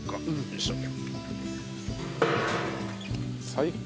最高！